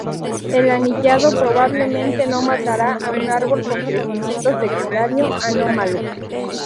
El anillado probablemente no matará a un árbol con crecimiento secundario anómalo.